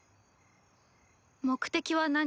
目的は何？